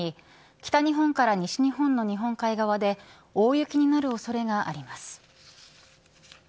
北日本から西日本の日本海側で大雪になる恐れがあります。